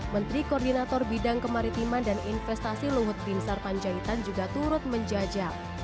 menteri koordinator bidang kemaritiman dan investasi luhut pinsar panjaitan juga turut menjajal